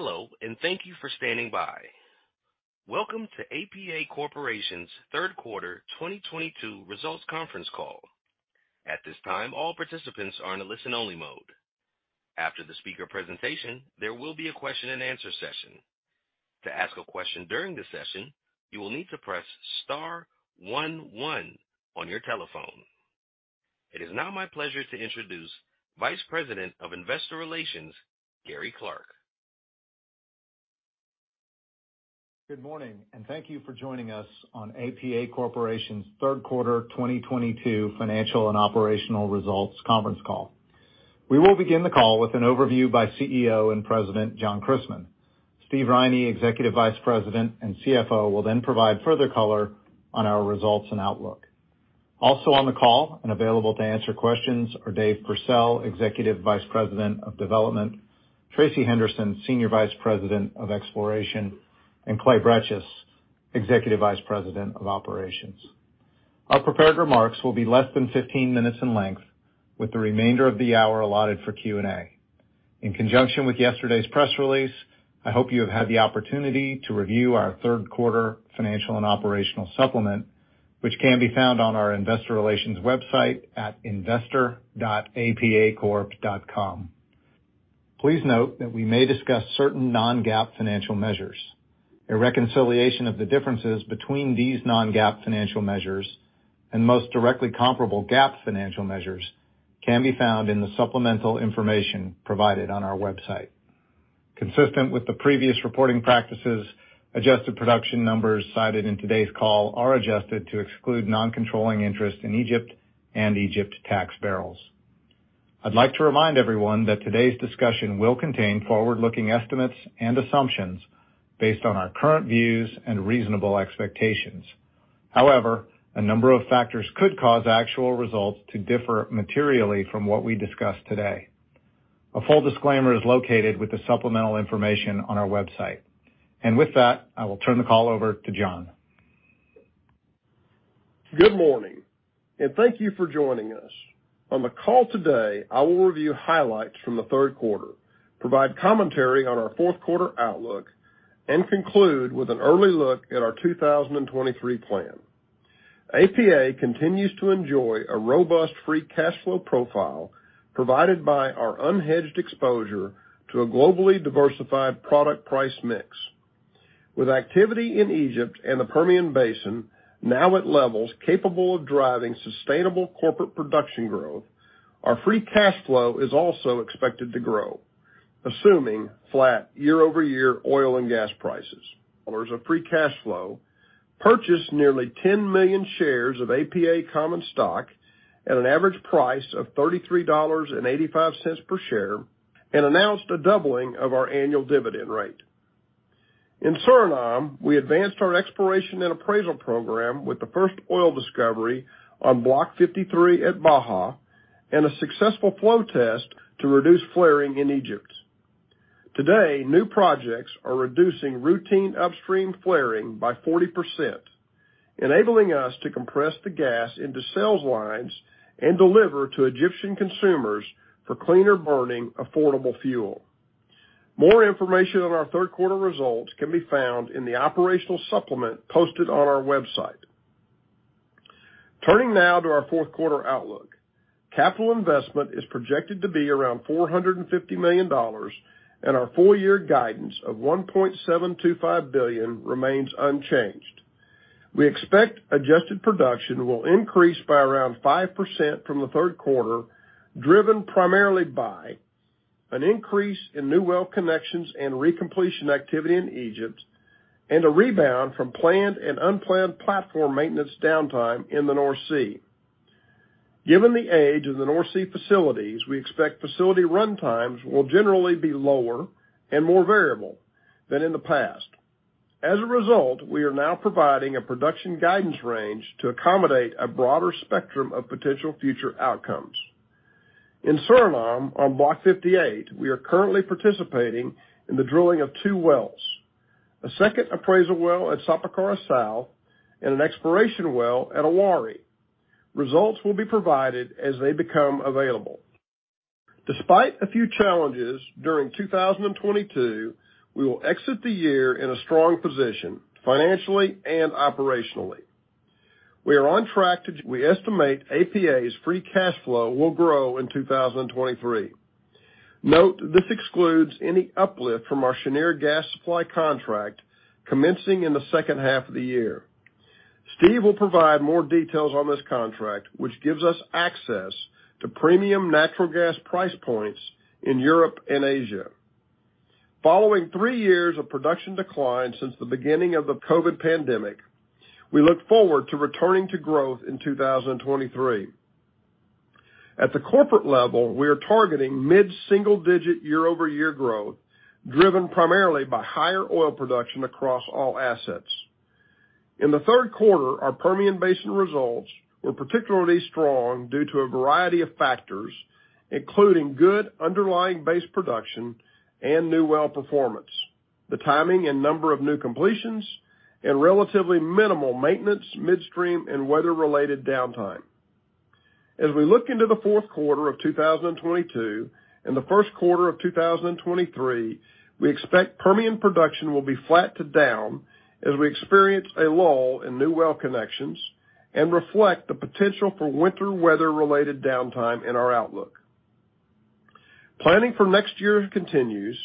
Hello, thank you for standing by. Welcome to APA Corporation's Third Quarter 2022 Results Conference Call. At this time, all participants are in a listen-only mode. After the speaker presentation, there will be a question-and-answer session. To ask a question during the session, you will need to press star one one on your telephone. It is now my pleasure to introduce Vice President of Investor Relations, Gary Clark. Good morning, and thank you for joining us on APA Corporation's Third Quarter 2022 Financial and Operational Results Conference Call. We will begin the call with an overview by CEO and President, John Christmann. Steve Riney, Executive Vice President and CFO, will then provide further color on our results and outlook. Also on the call and available to answer questions are Dave Pursell, Executive Vice President of Development, Tracey Henderson, Senior Vice President of Exploration, and Clay Bretches, Executive Vice President of Operations. Our prepared remarks will be less than 15 minutes in length, with the remainder of the hour allotted for Q&A. In conjunction with yesterday's press release, I hope you have had the opportunity to review our third quarter financial and operational supplement, which can be found on our investor relations website at investor.apacorp.com. Please note that we may discuss certain non-GAAP financial measures. A reconciliation of the differences between these non-GAAP financial measures and most directly comparable GAAP financial measures can be found in the supplemental information provided on our website. Consistent with the previous reporting practices, adjusted production numbers cited in today's call are adjusted to exclude non-controlling interests in Egypt and Egypt tax barrels. I'd like to remind everyone that today's discussion will contain forward-looking estimates and assumptions based on our current views and reasonable expectations. However, a number of factors could cause actual results to differ materially from what we discuss today. A full disclaimer is located with the supplemental information on our website. With that, I will turn the call over to John. Good morning, and thank you for joining us. On the call today, I will review highlights from the third quarter, provide commentary on our fourth quarter outlook, and conclude with an early look at our 2023 plan. APA continues to enjoy a robust free cash flow profile provided by our unhedged exposure to a globally diversified product price mix. With activity in Egypt and the Permian Basin now at levels capable of driving sustainable corporate production growth, our free cash flow is also expected to grow, assuming flat year-over-year oil and gas prices. As a free cash flow, purchased nearly 10 million shares of APA common stock at an average price of $33.85 per share, and announced a doubling of our annual dividend rate. In Suriname, we advanced our exploration and appraisal program with the first oil discovery on Block 53 at Baja and a successful flow test to reduce flaring in Egypt. Today, new projects are reducing routine upstream flaring by 40%, enabling us to compress the gas into sales lines and deliver to Egyptian consumers for cleaner burning, affordable fuel. More information on our third quarter results can be found in the operational supplement posted on our website. Turning now to our fourth quarter outlook. Capital investment is projected to be around $450 million, and our full-year guidance of $1.725 billion remains unchanged. We expect adjusted production will increase by around 5% from the third quarter, driven primarily by an increase in new well connections and recompletion activity in Egypt, and a rebound from planned and unplanned platform maintenance downtime in the North Sea. Given the age of the North Sea facilities, we expect facility runtimes will generally be lower and more variable than in the past. As a result, we are now providing a production guidance range to accommodate a broader spectrum of potential future outcomes. In Suriname, on Block 58, we are currently participating in the drilling of two wells, a second appraisal well at Sapakara South, and an exploration well at Awari. Results will be provided as they become available. Despite a few challenges during 2022, we will exit the year in a strong position, financially and operationally. We estimate APA's free cash flow will grow in 2023. Note, this excludes any uplift from our Cheniere gas supply contract commencing in the second half of the year. Steve will provide more details on this contract, which gives us access to premium natural gas price points in Europe and Asia. Following three years of production decline since the beginning of the COVID pandemic, we look forward to returning to growth in 2023. At the corporate level, we are targeting mid-single-digit year-over-year growth, driven primarily by higher oil production across all assets. In the third quarter, our Permian Basin results were particularly strong due to a variety of factors, including good underlying base production and new well performance, the timing and number of new completions, and relatively minimal maintenance, midstream, and weather-related downtime. As we look into the fourth quarter of 2022 and the first quarter of 2023, we expect Permian production will be flat to down as we experience a lull in new well connections and reflect the potential for winter weather-related downtime in our outlook. Planning for next year continues,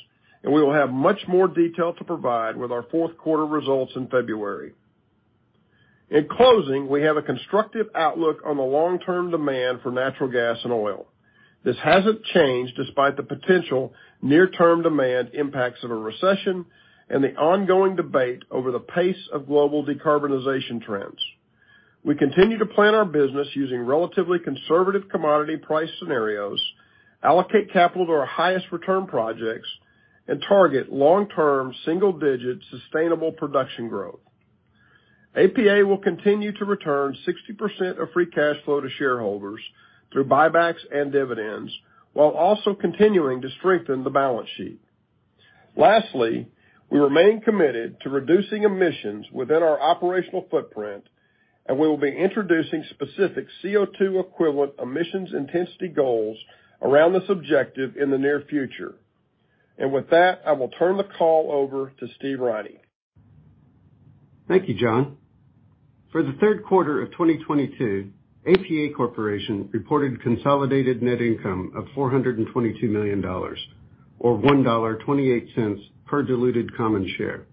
and we will have much more detail to provide with our fourth-quarter results in February. In closing, we have a constructive outlook on the long-term demand for natural gas and oil. This hasn't changed despite the potential near-term demand impacts of a recession and the ongoing debate over the pace of global decarbonization trends. We continue to plan our business using relatively conservative commodity price scenarios, allocate capital to our highest return projects, and target long-term single-digit sustainable production growth. APA will continue to return 60% of free cash flow to shareholders through buybacks and dividends while also continuing to strengthen the balance sheet. Lastly, we remain committed to reducing emissions within our operational footprint, and we will be introducing specific CO₂ equivalent emissions intensity goals around this objective in the near future. With that, I will turn the call over to Steve Riney. Thank you, John. For the third quarter of 2022, APA Corporation reported consolidated net income of $422 million or $1.28 per diluted common share.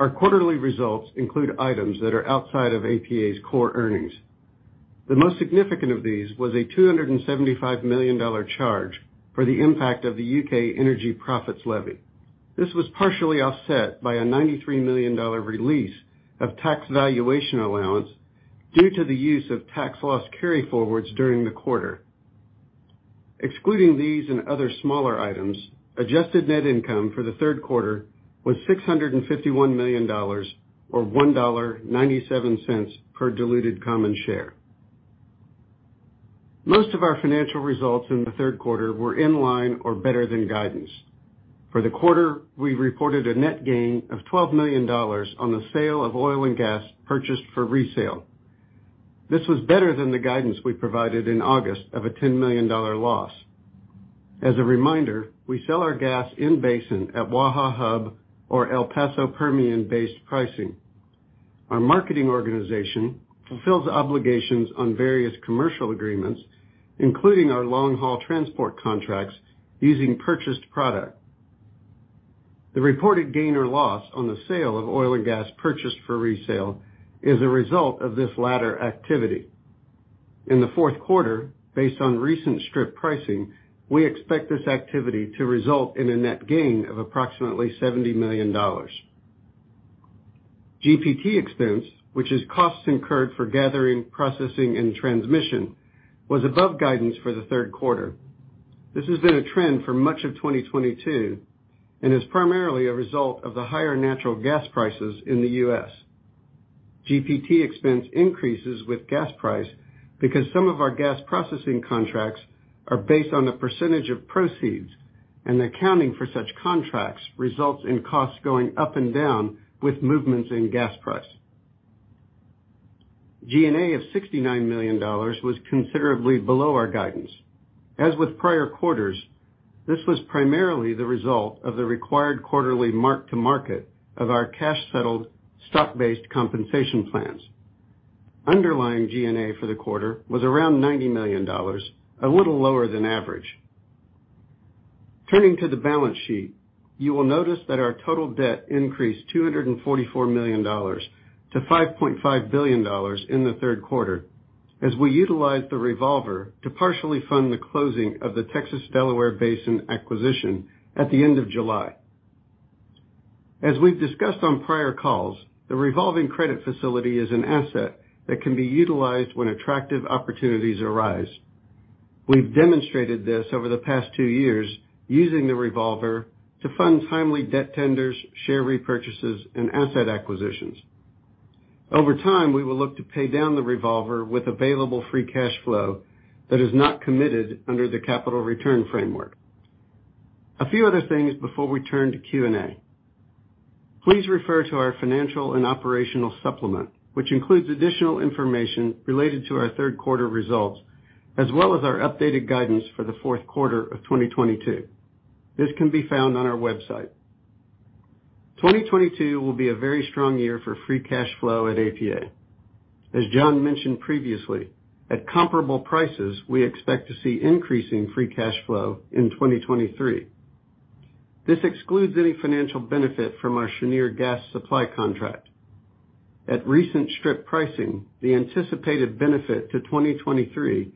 Our quarterly results include items that are outside of APA's core earnings. The most significant of these was a $275 million charge for the impact of the U.K. Energy Profits Levy. This was partially offset by a $93 million release of tax valuation allowance due to the use of tax loss carryforwards during the quarter. Excluding these and other smaller items, adjusted net income for the third quarter was $651 million or $1.97 per diluted common share. Most of our financial results in the third quarter were in line or better than guidance. For the quarter, we reported a net gain of $12 million on the sale of oil and gas purchased for resale. This was better than the guidance we provided in August of a $10 million loss. As a reminder, we sell our gas in basin at Waha Hub or El Paso Permian-based pricing. Our marketing organization fulfills obligations on various commercial agreements, including our long-haul transport contracts using purchased product. The reported gain or loss on the sale of oil and gas purchased for resale is a result of this latter activity. In the fourth quarter, based on recent strip pricing, we expect this activity to result in a net gain of approximately $70 million. GPT expense, which is costs incurred for gathering, processing, and transmission, was above guidance for the third quarter. This has been a trend for much of 2022 and is primarily a result of the higher natural gas prices in the U.S.. GPT expense increases with gas price because some of our gas processing contracts are based on a percentage of proceeds, and the accounting for such contracts results in costs going up and down with movements in gas price. G&A of $69 million was considerably below our guidance. As with prior quarters, this was primarily the result of the required quarterly mark-to-market of our cash-settled stock-based compensation plans. Underlying G&A for the quarter was around $90 million, a little lower than average. Turning to the balance sheet, you will notice that our total debt increased $244 million to $5.5 billion in the third quarter as we utilized the revolver to partially fund the closing of the Texas Delaware Basin acquisition at the end of July. As we've discussed on prior calls, the revolving credit facility is an asset that can be utilized when attractive opportunities arise. We've demonstrated this over the past two years using the revolver to fund timely debt tenders, share repurchases, and asset acquisitions. Over time, we will look to pay down the revolver with available free cash flow that is not committed under the capital return framework. A few other things before we turn to Q&A. Please refer to our financial and operational supplement, which includes additional information related to our third quarter results, as well as our updated guidance for the fourth quarter of 2022. This can be found on our website. 2022 will be a very strong year for free cash flow at APA. As John mentioned previously, at comparable prices, we expect to see increasing free cash flow in 2023. This excludes any financial benefit from our Cheniere gas supply contract. At recent strip pricing, the anticipated benefit to 2023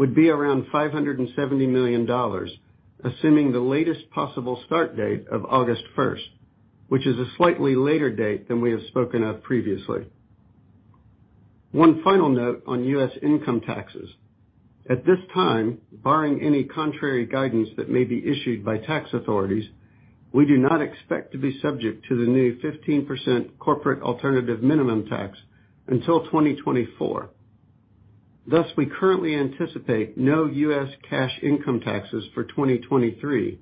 would be around $570 million, assuming the latest possible start date of August first, which is a slightly later date than we have spoken of previously. One final note on U.S. income taxes. At this time, barring any contrary guidance that may be issued by tax authorities, we do not expect to be subject to the new 15% Corporate Alternative Minimum Tax until 2024. Thus, we currently anticipate no U.S. cash income taxes for 2023.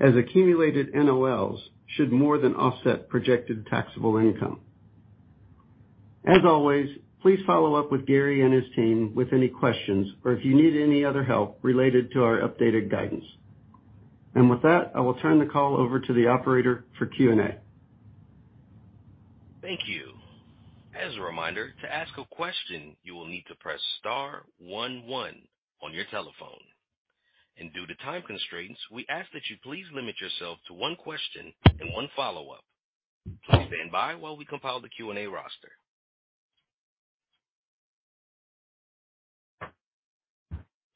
As accumulated NOLs should more than offset projected taxable income. As always, please follow up with Gary and his team with any questions or if you need any other help related to our updated guidance. With that, I will turn the call over to the operator for Q&A. Thank you. As a reminder, to ask a question, you will need to press star one one on your telephone. Due to time constraints, we ask that you please limit yourself to one question and one follow-up. Please stand by while we compile the Q&A roster.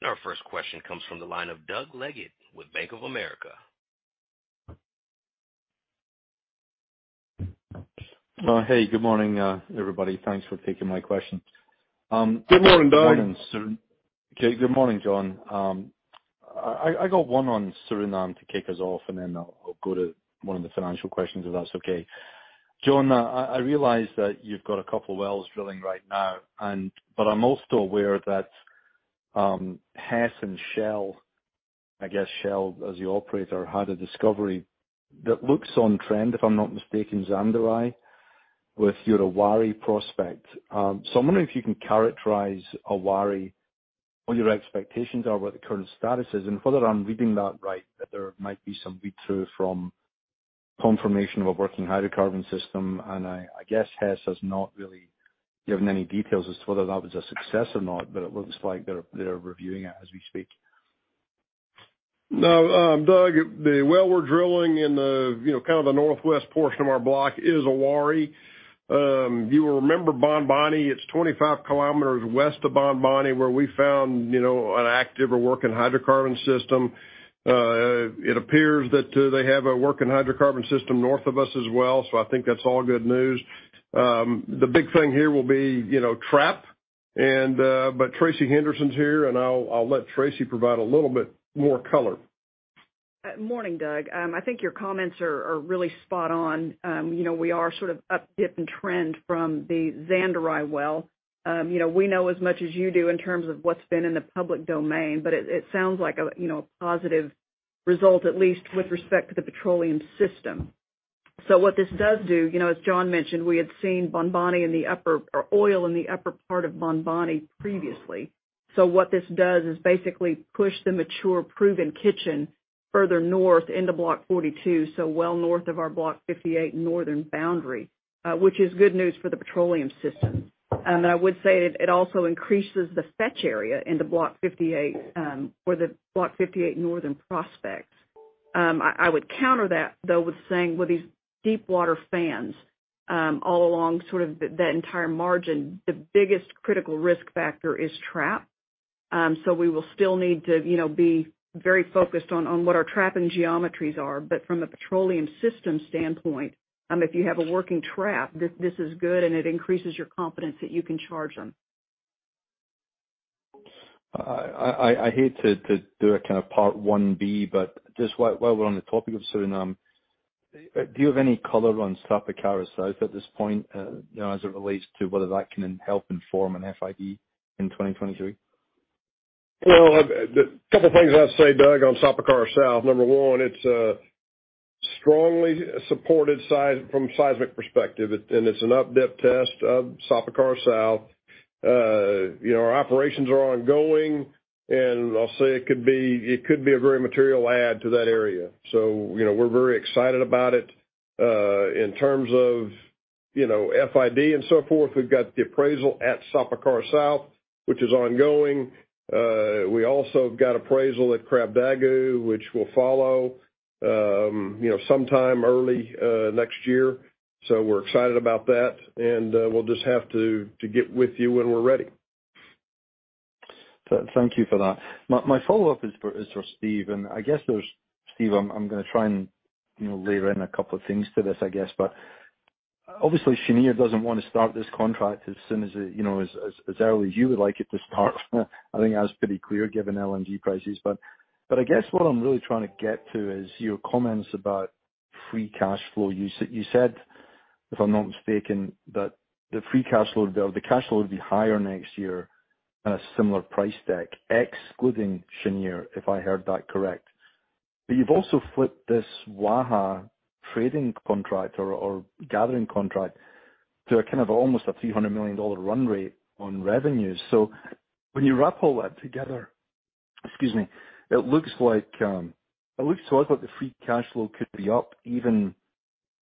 Our first question comes from the line of Doug Leggate with Bank of America. Hey, good morning, everybody. Thanks for taking my question. Good morning, Doug. Good morning, John. I got one on Suriname to kick us off, and then I'll go to one of the financial questions, if that's okay. John, I realize that you've got a couple wells drilling right now, but I'm also aware that Hess and Shell, I guess Shell as the operator, had a discovery that looks on trend, if I'm not mistaken, Zanderij, with your Awari prospect. So I'm wondering if you can characterize Awari, what your expectations are, what the current status is. Further, I'm reading that right, that there might be some read-through from confirmation of a working hydrocarbon system. I guess Hess has not really given any details as to whether that was a success or not, but it looks like they're reviewing it as we speak. No, Doug, the well we're drilling in the, you know, kind of the northwest portion of our block is Awari. You will remember Bonboni. It's 25 km west of Bonboni, where we found, you know, an active or working hydrocarbon system. It appears that they have a working hydrocarbon system north of us as well. So I think that's all good news. The big thing here will be, you know, trap and. Tracey Henderson's here, and I'll let Tracey provide a little bit more color. Morning, Doug. I think your comments are really spot on. You know, we are sort of up dip in trend from the Zanderij well. You know, we know as much as you do in terms of what's been in the public domain. It sounds like a positive result, at least with respect to the petroleum system. What this does do, you know, as John mentioned, we had seen oil in the upper part of Bonboni previously. What this does is basically push the mature, proven kitchen further north into Block 42, so well north of our Block 58 northern boundary, which is good news for the petroleum system. I would say it also increases the fetch area into Block 58, for the Block 58 northern prospects. I would counter that, though, with saying with these deep water fans, all along sort of that entire margin. The biggest critical risk factor is trap. We will still need to, you know, be very focused on what our trapping geometries are. From a petroleum system standpoint, if you have a working trap, this is good, and it increases your confidence that you can charge them. I hate to do a kind of part one B, but just while we're on the topic of Suriname, do you have any color on Sapakara South at this point, you know, as it relates to whether that can help inform an FID in 2023? Well, the couple things I'd say, Doug, on Sapakara South. Number one, it's strongly supported from seismic perspective, and it's an up-dip test of Sapakara South. You know, our operations are ongoing, and I'll say it could be a very material add to that area. You know, we're very excited about it. In terms of, you know, FID and so forth, we've got the appraisal at Sapakara South, which is ongoing. We also have got appraisal at Krabdagu, which will follow, you know, sometime early next year. We're excited about that, and we'll just have to get with you when we're ready. Thank you for that. My follow-up is for Steve. Steve, I'm gonna try and, you know, layer in a couple of things to this, I guess. Obviously, Cheniere doesn't wanna start this contract as soon as, you know, as early as you would like it to start. I think that's pretty clear given LNG prices. I guess what I'm really trying to get to is your comments about free cash flow use. You said, if I'm not mistaken, that the free cash flow build, the cash flow would be higher next year at a similar price deck, excluding Cheniere, if I heard that correct. You've also flipped this Waha trading contract or gathering contract to a kind of almost a $300 million run rate on revenues. When you wrap all that together, excuse me, it looks to us like the free cash flow could be up even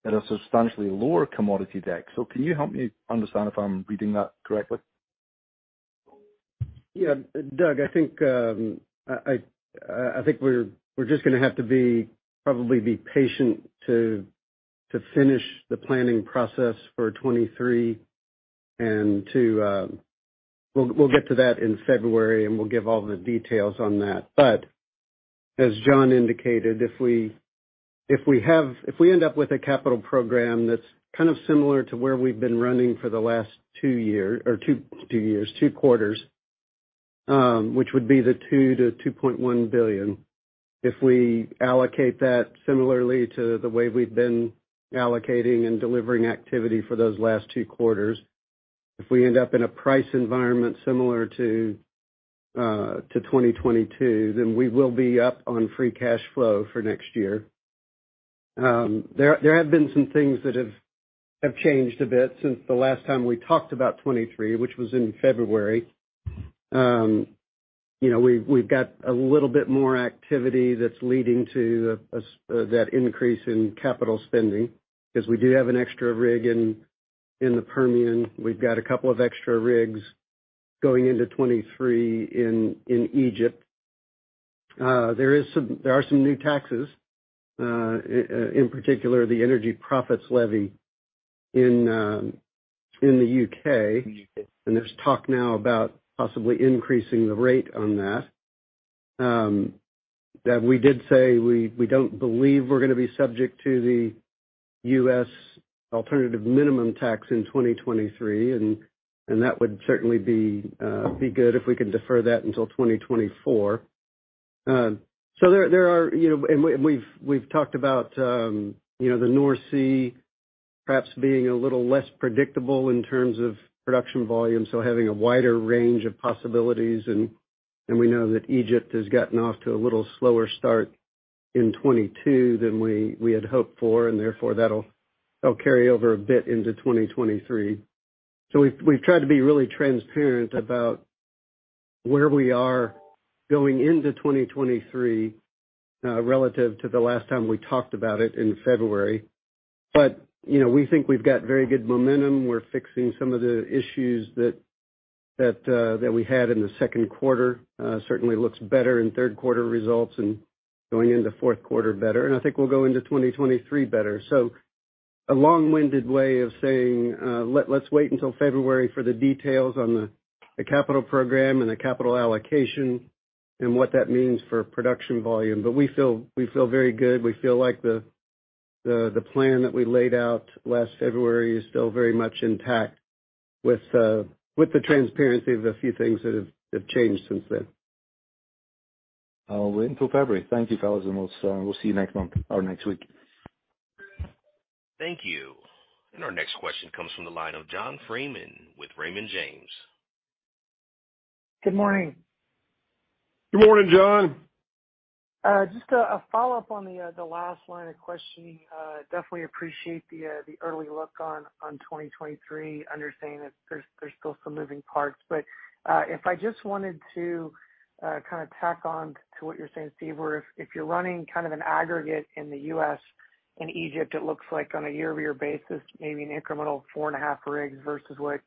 at a substantially lower commodity deck. Can you help me understand if I'm reading that correctly? Yeah, Doug, I think we're just gonna have to probably be patient to finish the planning process for 2023 and to. We'll get to that in February, and we'll give all the details on that. But as John indicated, if we end up with a capital program that's kind of similar to where we've been running for the last two years or two quarters, which would be the $2 billion-$2.1 billion. If we allocate that similarly to the way we've been allocating and delivering activity for those last two quarters, if we end up in a price environment similar to 2022, then we will be up on free cash flow for next year. There have been some things that have changed a bit since the last time we talked about 2023, which was in February. You know, we've got a little bit more activity that's leading to that increase in capital spending, 'cause we do have an extra rig in the Permian. We've got a couple of extra rigs going into 2023 in Egypt. There are some new taxes, in particular, the Energy Profits Levy in the U.K. There's talk now about possibly increasing the rate on that. That we did say we don't believe we're gonna be subject to the U.S. alternative minimum tax in 2023, and that would certainly be good if we can defer that until 2024. There are, you know, we've talked about the North Sea perhaps being a little less predictable in terms of production volume, so having a wider range of possibilities. We know that Egypt has gotten off to a little slower start in 2022 than we had hoped for, and therefore that'll carry over a bit into 2023. We've tried to be really transparent about where we are going into 2023, relative to the last time we talked about it in February. You know, we think we've got very good momentum. We're fixing some of the issues that we had in the second quarter. Certainly looks better in third quarter results and going into fourth quarter better. I think we'll go into 2023 better. A long-winded way of saying, let's wait until February for the details on the capital program and the capital allocation and what that means for production volume. We feel very good. We feel like the plan that we laid out last February is still very much intact with the transparency of the few things that have changed since then. I'll wait until February. Thank you, fellas, and we'll see you next month or next week. Thank you. Our next question comes from the line of John Freeman with Raymond James. Good morning. Good morning, John. Just a follow-up on the last line of questioning. Definitely appreciate the early look on 2023, understanding that there's still some moving parts. If I just wanted to kind of tack on to what you're saying, Steve, if you're running kind of an aggregate in the U.S. and Egypt, it looks like on a year-over-year basis, maybe an incremental four and a half rigs versus what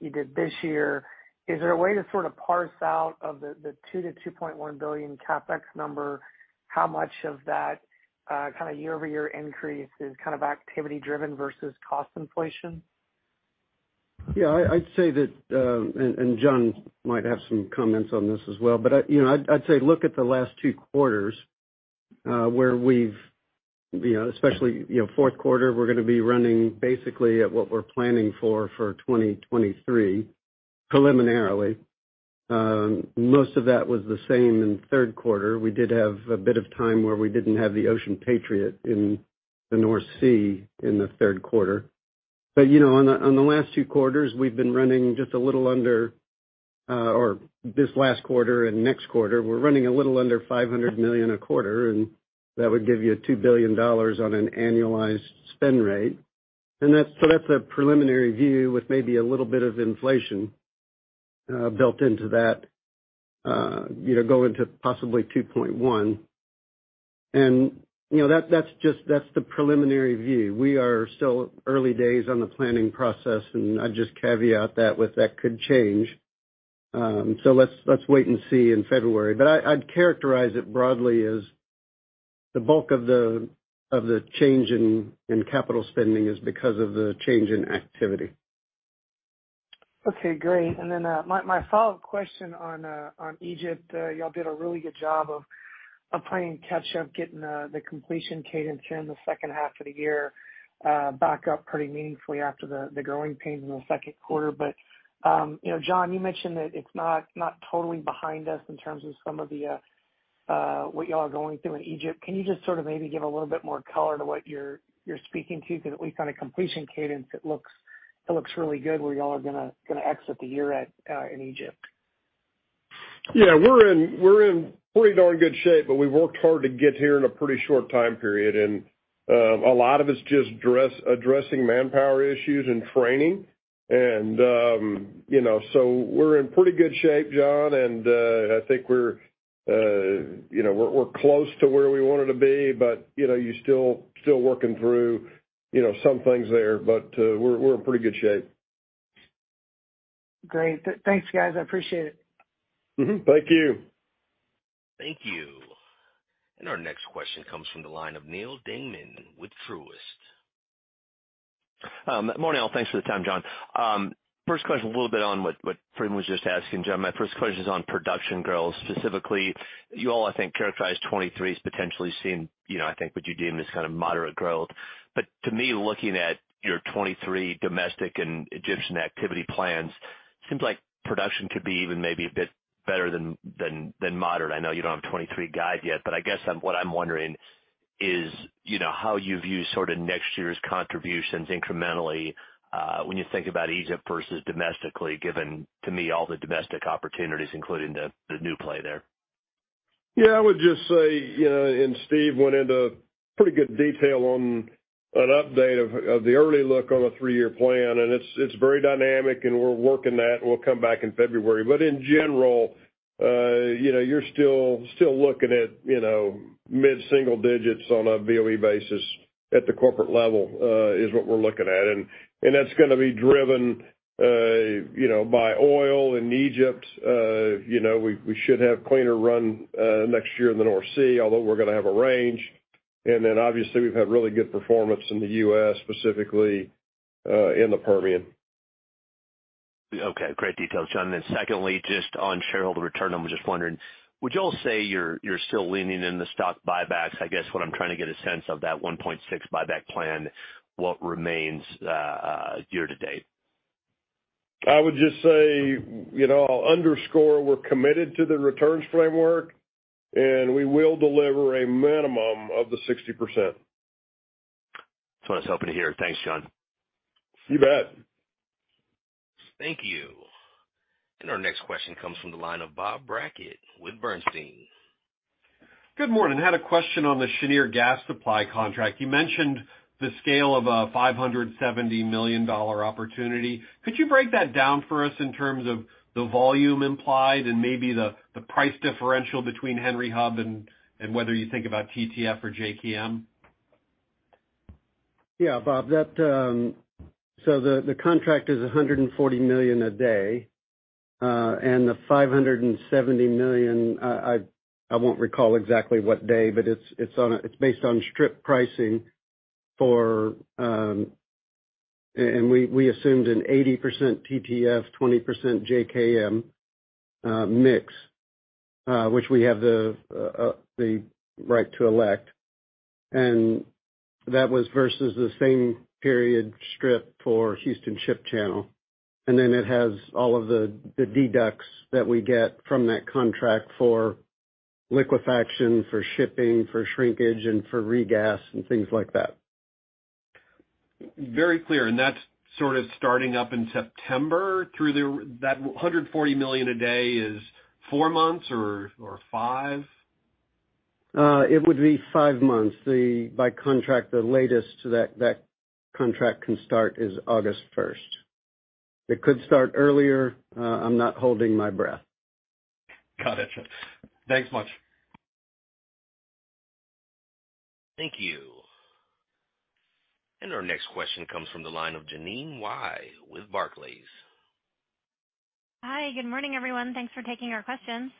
you did this year. Is there a way to sort of parse out of the $2 billion-$2.1 billion CapEx number, how much of that kind of year-over-year increase is kind of activity driven versus cost inflation? Yeah, I'd say that, and John might have some comments on this as well, but you know, I'd say look at the last two quarters, where we've, you know, especially, you know, fourth quarter, we're gonna be running basically at what we're planning for 2023 preliminarily. Most of that was the same in third quarter. We did have a bit of time where we didn't have the Ocean Patriot in the North Sea in the third quarter. You know, on the last two quarters, we've been running just a little under, or this last quarter and next quarter, we're running a little under $500 million a quarter, and that would give you $2 billion on an annualized spend rate. That's a preliminary view with maybe a little bit of inflation built into that, you know, go into possibly 2.1. You know, that's just the preliminary view. We are still early days on the planning process, and I'd just caveat that with that could change. Let's wait and see in February. I'd characterize it broadly as the bulk of the change in capital spending is because of the change in activity. Okay, great. Then my follow-up question on Egypt. Y'all did a really good job of playing catch up, getting the completion cadence in the second half of the year back up pretty meaningfully after the growing pains in the second quarter. You know, John, you mentioned that it's not totally behind us in terms of some of the what y'all are going through in Egypt. Can you just sort of maybe give a little bit more color to what you're speaking to? Because at least on a completion cadence, it looks really good where y'all are gonna exit the year at in Egypt. Yeah, we're in pretty darn good shape, but we've worked hard to get here in a pretty short time period. A lot of it's just addressing manpower issues and training. You know, we're in pretty good shape, John, and I think you know, we're close to where we wanted to be, but you know, you're still working through you know, some things there. We're in pretty good shape. Great. Thanks, guys. I appreciate it. Mm-hmm. Thank you. Thank you. Our next question comes from the line of Neal Dingmann with Truist. Morning. Thanks for the time, John. First question a little bit on what Freeman was just asking, John. My first question is on production growth. Specifically, you all, I think, characterized 2023 as potentially seeing, you know, I think what you deemed as kind of moderate growth. To me, looking at your 2023 domestic and Egyptian activity plans, seems like production could be even maybe a bit better than moderate. I know you don't have a 2023 guide yet, but I guess what I'm wondering Is you know how you view sort of next year's contributions incrementally, when you think about Egypt versus domestically, given all the domestic opportunities, including the new play there? Yeah, I would just say, you know, Steve went into pretty good detail on an update of the early look on a three-year plan, and it's very dynamic, and we're working that, and we'll come back in February. In general, you know, you're still looking at, you know, mid-single digits on a BOE basis at the corporate level, is what we're looking at. That's gonna be driven, you know, by oil in Egypt. You know, we should have cleaner run next year in the North Sea, although we're gonna have a range. Obviously, we've had really good performance in the U.S., specifically in the Permian. Okay. Great detail, John. Secondly, just on shareholder return, I'm just wondering, would y'all say you're still leaning into the stock buybacks? I guess what I'm trying to get a sense of that $1.6 buyback plan, what remains year to date. I would just say, you know, I'll underscore we're committed to the returns framework, and we will deliver a minimum of the 60%. That's what I was hoping to hear. Thanks, John. You bet. Thank you. Our next question comes from the line of Bob Brackett with Bernstein. Good morning. I had a question on the Cheniere gas supply contract. You mentioned the scale of a $570 million opportunity. Could you break that down for us in terms of the volume implied and maybe the price differential between Henry Hub and whether you think about TTF or JKM? Yeah, Bob. The contract is $140 million a day, and the $570 million, I won't recall exactly what day, but it's based on strip pricing. We assumed an 80% TTF, 20% JKM mix, which we have the right to elect. That was versus the same period strip for Houston Ship Channel. Then it has all of the deducts that we get from that contract for liquefaction, for shipping, for shrinkage and for re-gas and things like that. Very clear. That's sort of starting up in September. That $140 million a day is four months or five? It would be five months. By contract, the latest that contract can start is August first. It could start earlier. I'm not holding my breath. Got it. Thanks much. Thank you. Our next question comes from the line of Jeanine Wai with Barclays. Hi. Good morning, everyone. Thanks for taking our questions.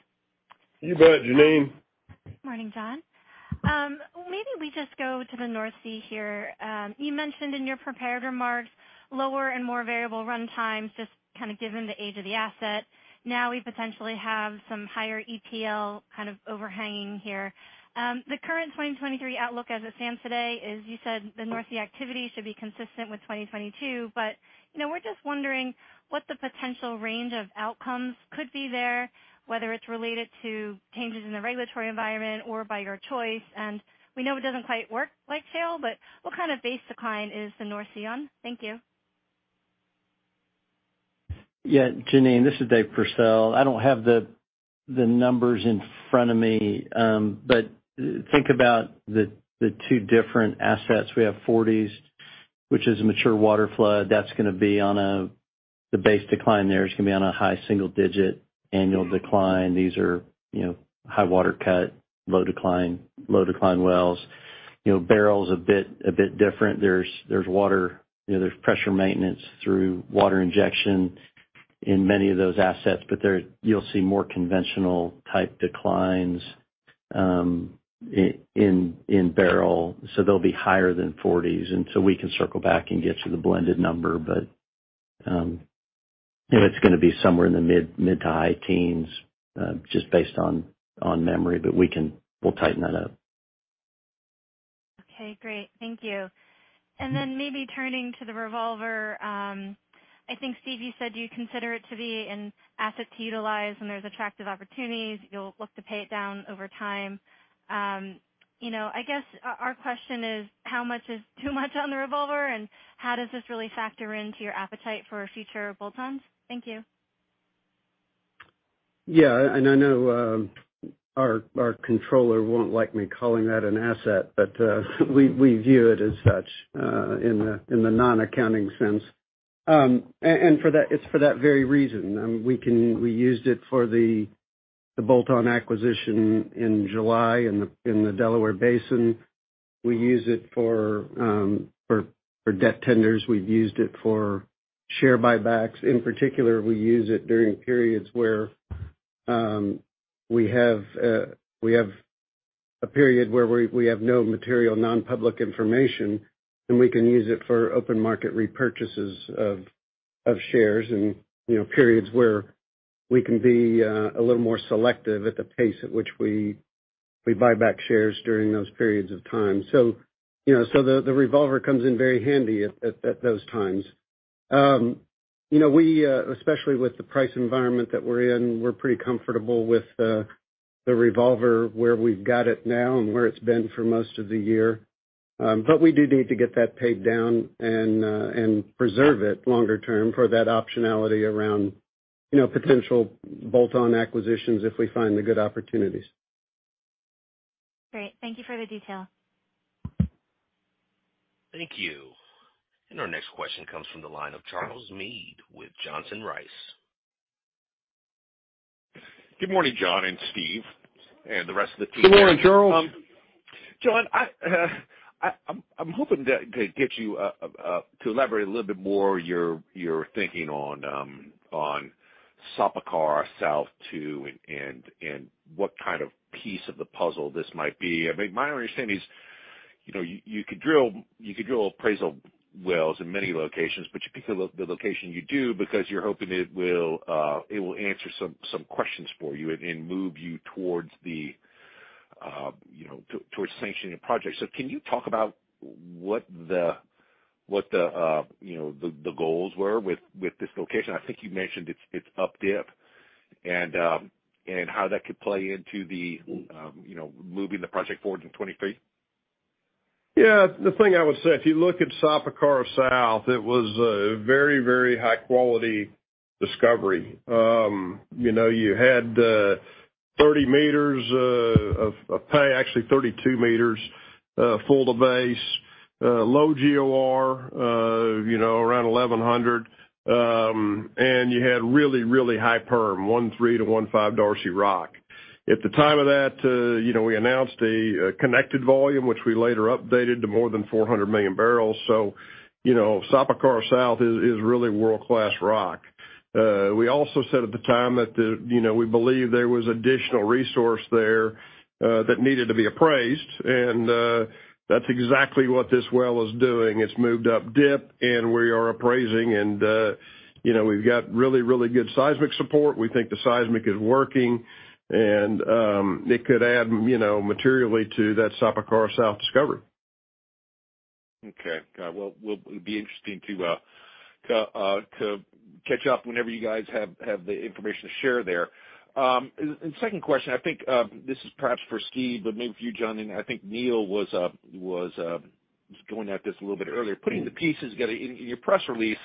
You bet, Jeanine. Morning, John. Maybe we just go to the North Sea here. You mentioned in your prepared remarks, lower and more variable run times, just kind of given the age of the asset. Now we potentially have some higher EPL kind of overhanging here. The current 2023 outlook as it stands today is, you said, the North Sea activity should be consistent with 2022. You know, we're just wondering what the potential range of outcomes could be there, whether it's related to changes in the regulatory environment or by your choice. We know it doesn't quite work like shale, but what kind of base decline is the North Sea on? Thank you. Yeah, Jeanine, this is Dave Pursell. I don't have the numbers in front of me but think about the two different assets. We have Forties, which is a mature water flood. That's gonna be on a, the base decline there is gonna be on a high single-digit annual decline. These are, you know, high water cut, low decline wells. You know, Beryl's a bit different. There's water, you know, there's pressure maintenance through water injection in many of those assets. But you'll see more conventional type declines in Beryl, so they'll be higher than Forties. We can circle back and get to the blended number. But it's gonna be somewhere in the mid- to high-teens, just based on memory, but we'll tighten that up. Okay, great. Thank you. Maybe turning to the revolver, I think, Steve, you said you consider it to be an asset to utilize when there's attractive opportunities. You'll look to pay it down over time. You know, I guess our question is, how much is too much on the revolver, and how does this really factor into your appetite for future bolt-ons? Thank you. Yeah. I know our controller won't like me calling that an asset, but we view it as such in the non-accounting sense. For that, it's for that very reason. We used it for the bolt-on acquisition in July in the Delaware Basin. We use it for debt tenders. We've used it for share buybacks. In particular, we use it during periods where we have no material non-public information, and we can use it for open market repurchases of shares and, you know, periods where we can be a little more selective at the pace at which we buy back shares during those periods of time. You know, the revolver comes in very handy at those times. You know, especially with the price environment that we're in, we're pretty comfortable with the revolver where we've got it now and where it's been for most of the year. We do need to get that paid down and preserve it longer term for that optionality around, you know, potential bolt-on acquisitions if we find the good opportunities. Great. Thank you for the detail. Thank you. Our next question comes from the line of Charles Meade with Johnson Rice. Good morning, John and Steve, and the rest of the team. Good morning, Charles. John, I'm hoping to get you to elaborate a little bit more on your thinking on Sapakara South-2 and what kind of piece of the puzzle this might be. I mean, my understanding is, you know, you could drill appraisal wells in many locations, but you pick the location you do because you're hoping it will answer some questions for you and move you towards sanctioning a project. Can you talk about what the goals were with this location? I think you mentioned it's up dip and how that could play into moving the project forward in 2023. Yeah. The thing I would say, if you look at Sapakara South, it was a very, very high-quality discovery. You know, you had 30 m of pay, actually 32 m, full to base, low GOR, you know, around 1,100. You had really, really high perm, 1.3-1.5 Darcy rock. At the time of that, you know, we announced a connected volume, which we later updated to more than 400 million barrels. You know, Sapakara South is really world-class rock. We also said at the time that, you know, we believe there was additional resource there that needed to be appraised. That's exactly what this well is doing. It's moved up dip, and we are appraising. You know, we've got really, really good seismic support. We think the seismic is working, and it could add, you know, materially to that Sapakara South discovery. Okay. Well, it'll be interesting to catch up whenever you guys have the information to share there. Second question, I think this is perhaps for Steve, but maybe for you, John, and I think Neal was going at this a little bit earlier, putting the pieces together. In your press release,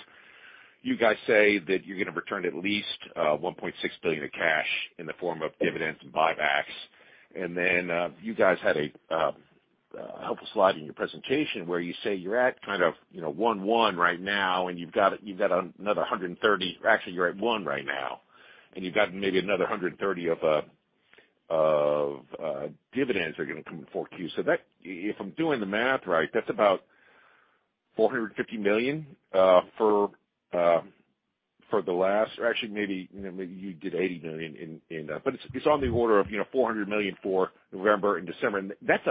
you guys say that you're gonna return at least $1.6 billion of cash in the form of dividends and buybacks. Then, you guys had a helpful slide in your presentation where you say you're at kind of, you know, 1.1 right now, and you've got another 130. Actually, you're at one right now, and you've got maybe another 130 of dividends are gonna come in 4Q. If I'm doing the math right, that's about $450 million for the last or actually maybe, you know, maybe you did $80 million in. It's on the order of, you know, $400 million for November and December. That's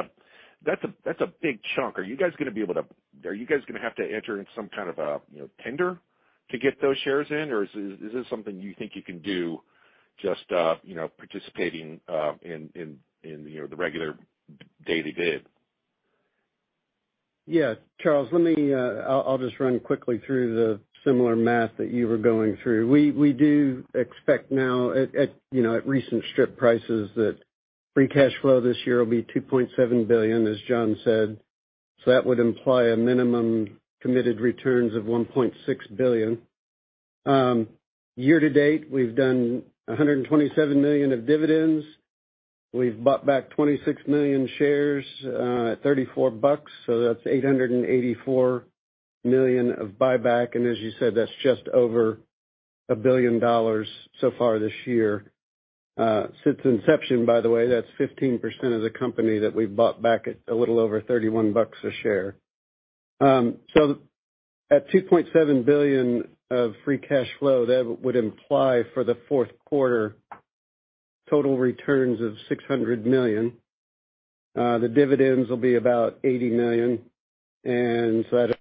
a big chunk. Are you guys gonna have to enter in some kind of, you know, tender to get those shares in? Or is this something you think you can do just, you know, participating in the regular day to day? Yes, Charles. Let me, I'll just run quickly through the similar math that you were going through. We do expect now at recent strip prices that free cash flow this year will be $2.7 billion, as John said. That would imply a minimum committed returns of $1.6 billion. Year to date, we've done $127 million of dividends. We've bought back 26 million shares at $34, so that's $884 million of buyback. As you said, that's just over $1 billion so far this year. Since inception, by the way, that's 15% of the company that we've bought back at a little over $31 a share. At $2.7 billion of free cash flow, that would imply for the fourth quarter total returns of $600 million. The dividends will be about $80 million, and that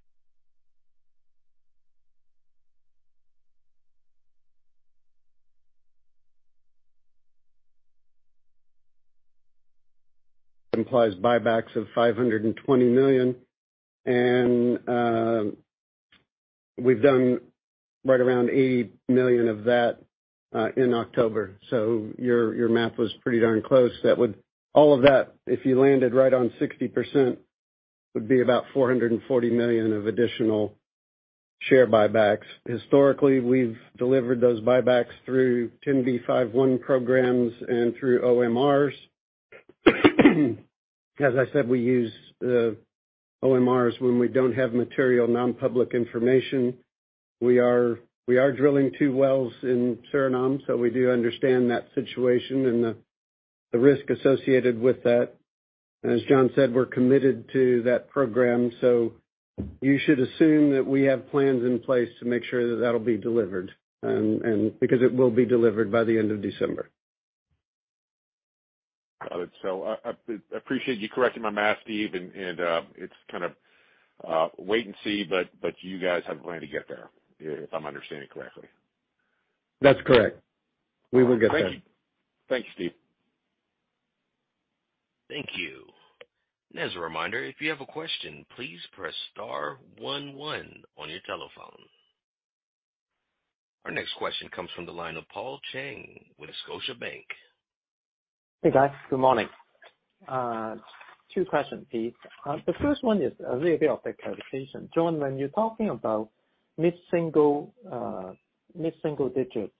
implies buybacks of $520 million. We've done right around $80 million of that in October. Your math was pretty darn close. All of that, if you landed right on 60%, would be about $440 million of additional share buybacks. Historically, we've delivered those buybacks through 10b5-1 programs and through OMRs. As I said, we use the OMRs when we don't have material non-public information. We are drilling two wells in Suriname, so we do understand that situation and the risk associated with that. As John said, we're committed to that program, so you should assume that we have plans in place to make sure that that'll be delivered, and because it will be delivered by the end of December. Got it. I appreciate you correcting my math, Steve. It's kind of wait and see, but you guys have a plan to get there, if I'm understanding correctly. That's correct. We will get there. Thank you. Thanks, Steve. Thank you. As a reminder, if you have a question, please press star one one on your telephone. Our next question comes from the line of Paul Cheng with Scotiabank. Hey, guys. Good morning. Two questions, please. The first one is a little bit of clarification. John, when you're talking about mid-single digit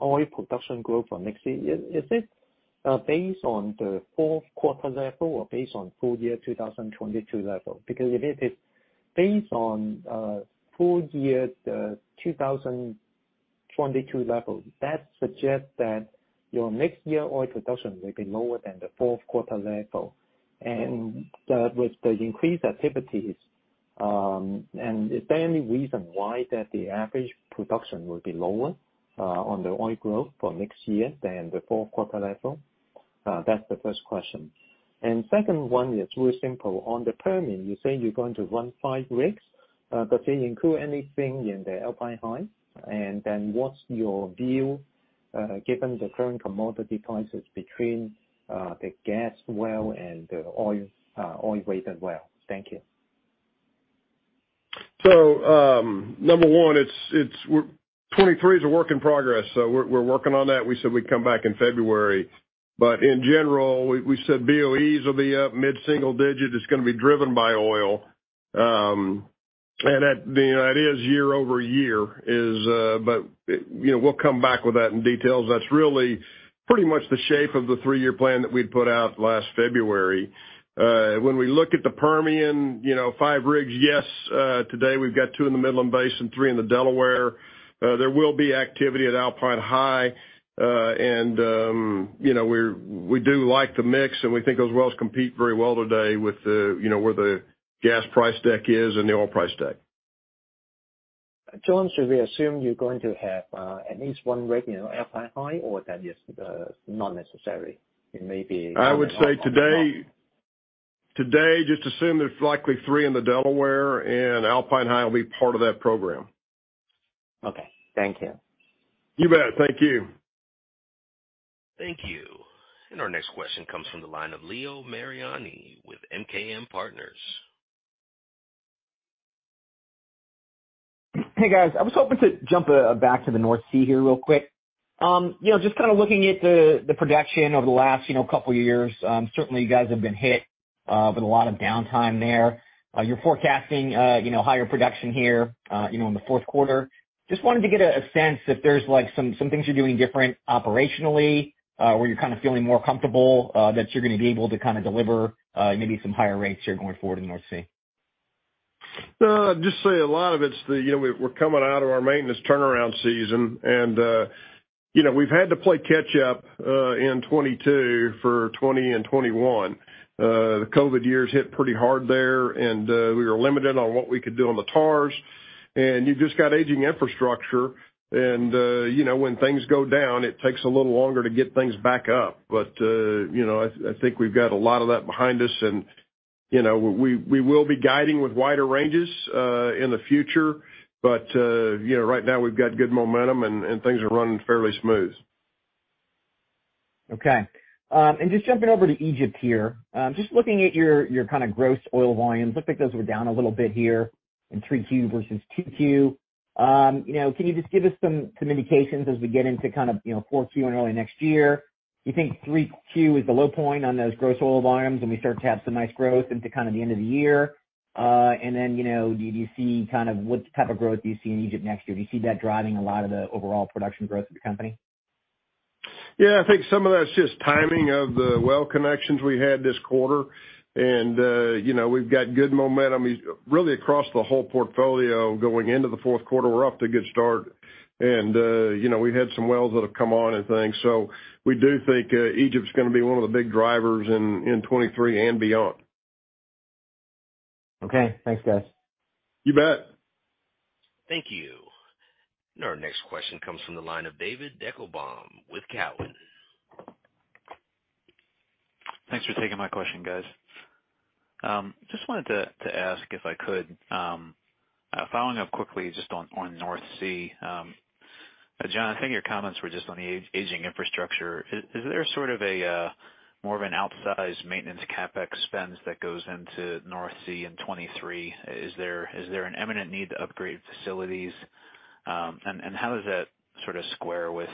oil production growth for next year, is it based on the fourth quarter level or based on full year 2022 level? Because if it is based on full year 2022 level, that suggests that your next year oil production will be lower than the fourth quarter level. With the increased activities, and is there any reason why that the average production will be lower on the oil growth for next year than the fourth quarter level? That's the first question. Second one is really simple. On the Permian, you say you're going to run five rigs, but they include anything in the Alpine High. What's your view, given the current commodity prices between the gas well and the oil weighted well? Thank you. Number one, it's, 2023 is a work in progress, so we're working on that. We said we'd come back in February. In general, we said BOEs will be up mid-single digit. It's gonna be driven by oil. And that is year-over-year, but we'll come back with that in details. That's really pretty much the shape of the three-year plan that we'd put out last February. When we look at the Permian, you know, five rigs, yes, today we've got two in the Midland Basin, three in the Delaware. There will be activity at Alpine High. And you know, we do like the mix, and we think those wells compete very well today with where the gas price deck is and the oil price deck. John, should we assume you're going to have, at least one rig in Alpine High, or that is, not necessary? It may be I would say today, just assume there's likely three in the Delaware and Alpine High will be part of that program. Okay. Thank you. You bet. Thank you. Thank you. Our next question comes from the line of Leo Mariani with MKM Partners. Hey, guys. I was hoping to jump back to the North Sea here real quick. You know, just kind of looking at the production over the last, you know, couple years. Certainly you guys have been hit with a lot of downtime there. You're forecasting, you know, higher production here, you know, in the fourth quarter. Just wanted to get a sense if there's like some things you're doing different operationally, where you're kind of feeling more comfortable, that you're gonna be able to kind of deliver, maybe some higher rates here going forward in North Sea. Just say a lot of it's the, you know, we're coming out of our maintenance turnaround season and, you know, we've had to play catch up in 2022 for 2020 and 2021. The COVID years hit pretty hard there and we were limited on what we could do on the TARs. You've just got aging infrastructure and, you know, when things go down, it takes a little longer to get things back up. You know, I think we've got a lot of that behind us and, you know, we will be guiding with wider ranges in the future. You know, right now we've got good momentum and things are running fairly smooth. Okay. Just jumping over to Egypt here. Just looking at your kind of gross oil volumes. Looks like those were down a little bit here in 3Q versus 2Q. You know, can you just give us some indications as we get into kind of, you know, 4Q and early next year? Do you think 3Q is the low point on those gross oil volumes and we start to have some nice growth into kind of the end of the year? You know, do you see kind of what type of growth do you see in Egypt next year? Do you see that driving a lot of the overall production growth of the company? Yeah, I think some of that's just timing of the well connections we had this quarter. You know, we've got good momentum, really across the whole portfolio going into the fourth quarter. We're off to a good start. You know, we've had some wells that have come on and things. We do think Egypt's gonna be one of the big drivers in 2023 and beyond. Okay. Thanks, guys. You bet. Thank you. Our next question comes from the line of David Deckelbaum with Cowen. Thanks for taking my question, guys. Just wanted to ask if I could, following up quickly just on North Sea. John, I think your comments were just on the aging infrastructure. Is there sort of a more of an outsized maintenance CapEx spend that goes into North Sea in 2023? Is there an imminent need to upgrade facilities? And how does that sort of square with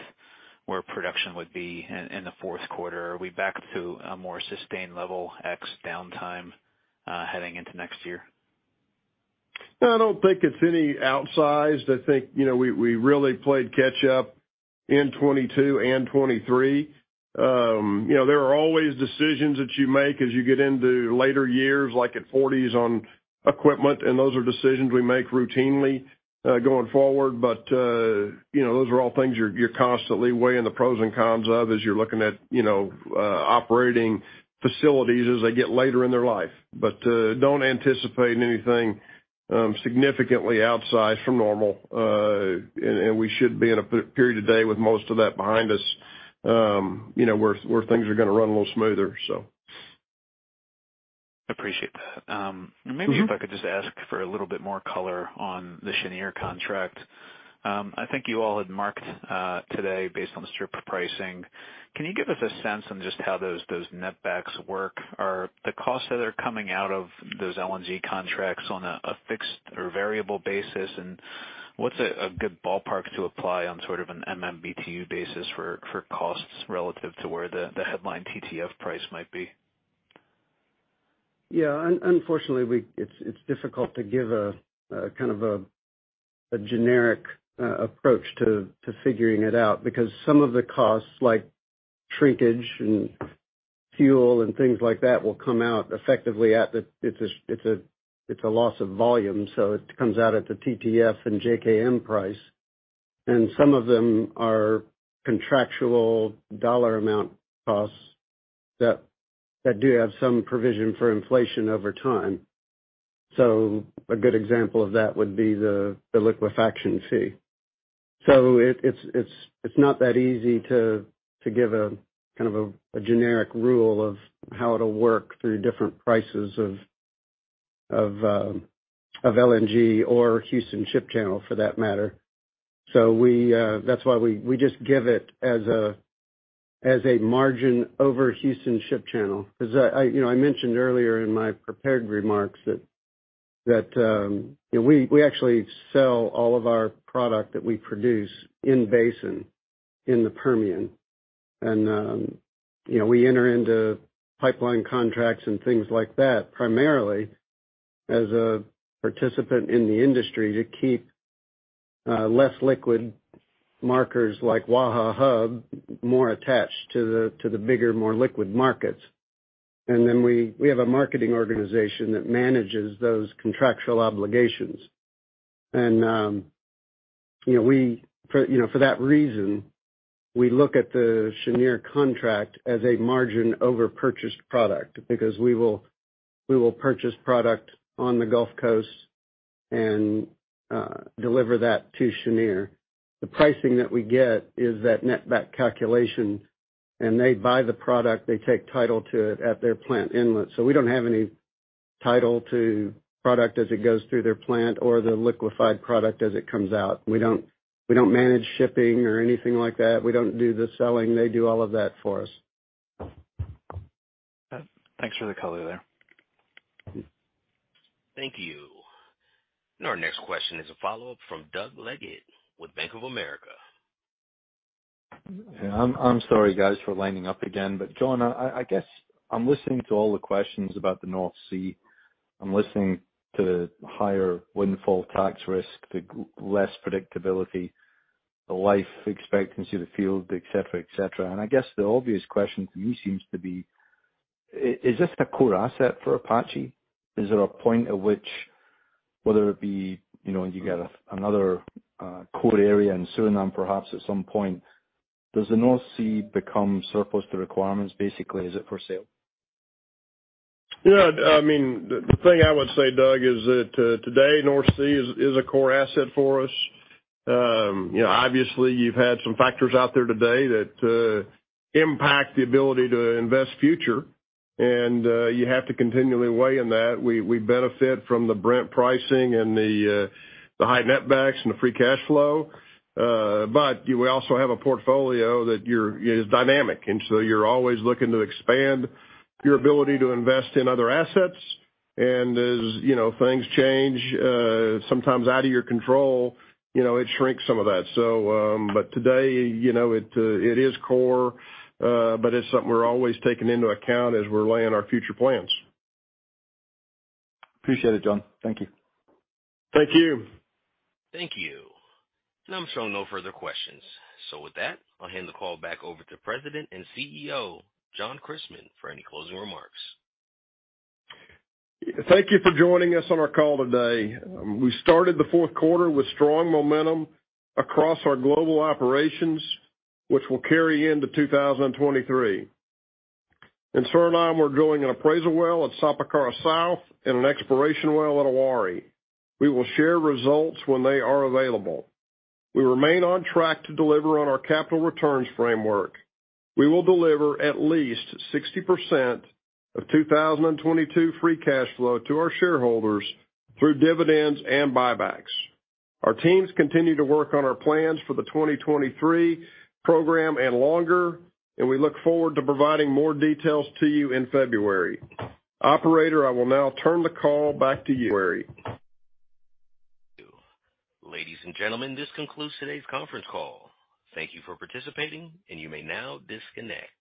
where production would be in the fourth quarter? Are we back to a more sustained level ex downtime, heading into next year? No, I don't think it's any outsized. I think we really played catch up in 2022 and 2023. There are always decisions that you make as you get into later years, like at forties on equipment, and those are decisions we make routinely going forward. Those are all things you're constantly weighing the pros and cons of as you're looking at operating facilities as they get later in their life. Don't anticipate anything significantly outsized from normal. We should be in a period today with most of that behind us where things are gonna run a little smoother. Appreciate that. Maybe if I could just ask for a little bit more color on the Cheniere contract. I think you all had marked today based on the strip pricing. Can you give us a sense on just how those net backs work? Are the costs that are coming out of those LNG contracts on a fixed or variable basis? And what's a good ballpark to apply on sort of an MMBtu basis for costs relative to where the headline TTF price might be? Unfortunately, it's difficult to give a kind of generic approach to figuring it out because some of the costs, like shrinkage and fuel and things like that, will come out effectively at the, it's a loss of volume, so it comes out at the TTF and JKM price. Some of them are contractual dollar amount costs that do have some provision for inflation over time. A good example of that would be the liquefaction fee. It's not that easy to give a kind of generic rule of how it'll work through different prices of LNG or Houston Ship Channel, for that matter. That's why we just give it as a margin over Houston Ship Channel. Because I, you know, I mentioned earlier in my prepared remarks that, you know, we actually sell all of our product that we produce in basin in the Permian. You know, we enter into pipeline contracts and things like that primarily as a participant in the industry to keep less liquid markers like Waha Hub more attached to the bigger, more liquid markets. Then we have a marketing organization that manages those contractual obligations. You know, for that reason, we look at the Cheniere contract as a margin over purchased product because we will purchase product on the Gulf Coast and deliver that to Cheniere. The pricing that we get is that net back calculation, and they buy the product. They take title to it at their plant inlet. We don't have any title to product as it goes through their plant or the liquefied product as it comes out. We don't manage shipping or anything like that. We don't do the selling. They do all of that for us. Thanks for the color there. Thank you. Our next question is a follow-up from Doug Leggate with Bank of America. Yeah, I'm sorry, guys, for lining up again. John, I guess I'm listening to all the questions about the North Sea. I'm listening to the higher windfall tax risk, the less predictability, the life expectancy of the field, et cetera, et cetera. I guess the obvious question to me seems to be, is this a core asset for Apache? Is there a point at which, whether it be, you know, you get another core area in Suriname, perhaps at some point, does the North Sea become surplus to requirements? Basically, is it for sale? Yeah, I mean, the thing I would say, Doug, is that today North Sea is a core asset for us. You know, obviously you've had some factors out there today that impact the ability to invest future, and you have to continually weigh in that. We benefit from the Brent pricing and the high net backs and the free cash flow. But we also have a portfolio that is dynamic, and so you're always looking to expand your ability to invest in other assets. As you know, things change, sometimes out of your control, you know, it shrinks some of that. But today, you know, it is core, but it's something we're always taking into account as we're laying our future plans. Appreciate it, John. Thank you. Thank you. Thank you. Now I'm showing no further questions. With that, I'll hand the call back over to President and CEO, John Christmann, for any closing remarks. Thank you for joining us on our call today. We started the fourth quarter with strong momentum across our global operations, which will carry into 2023. In Suriname, we're drilling an appraisal well at Sapakara South and an exploration well at Awari. We will share results when they are available. We remain on track to deliver on our capital returns framework. We will deliver at least 60% of 2022 free cash flow to our shareholders through dividends and buybacks. Our teams continue to work on our plans for the 2023 program and longer, and we look forward to providing more details to you in February. Operator, I will now turn the call back to you. Thank you. Ladies and gentlemen, this concludes today's conference call. Thank you for participating, and you may now disconnect.